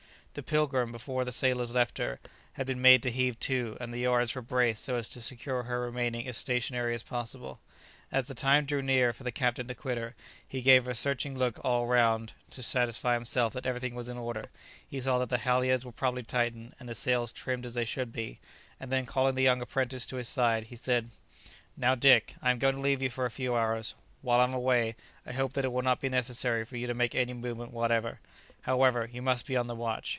The "Pilgrim," before the sailors left her, had been made to heave to, and the yards were braced so as to secure her remaining as stationary as possible. As the time drew near for the captain to quit her, he gave a searching look all round to satisfy himself that everything was in order; he saw that the halyards were properly tightened, and the sails trimmed as they should be, and then calling the young apprentice to his side, he said, "Now, Dick, I am going to leave you for a few hours: while I am away, I hope that it will not be necessary for you to make any movement whatever. However, you must be on the watch.